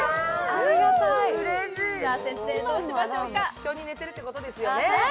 一緒に寝てるってことですよね。